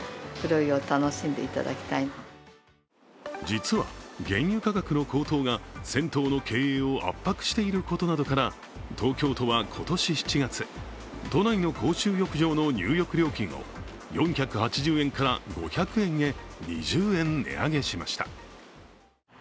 実は、原油価格の高騰が銭湯の経営を圧迫していることなどから、東京都は今年７月、都内の公衆浴場の入浴料金を４８０円から５００円へ、２０円値上げしました。